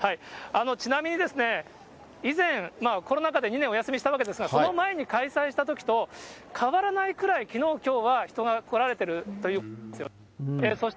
ちなみにですね、以前、コロナ禍で２年お休みしたわけですが、その前に開催したときと変わらないくらい、きのう、きょうは人が来られてるというんですよ。